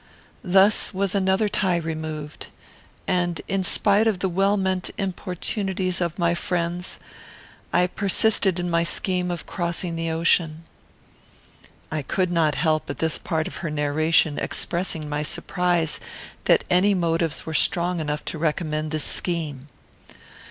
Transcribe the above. Thus was another tie removed, and, in spite of the well meant importunities of my friends, I persisted in my scheme of crossing the ocean." I could not help, at this part of her narration, expressing my surprise that any motives were strong enough to recommend this scheme.